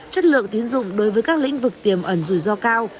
chất lượng tiến dụng đối với các lĩnh vực tiềm ẩn rủi ro cao